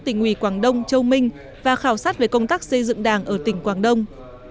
tỉnh ủy quảng đông châu minh và khảo sát về công tác xây dựng đảng ở tỉnh quảng đông